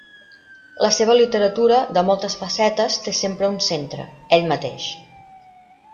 La seva literatura, de moltes facetes, té sempre un centre: ell mateix.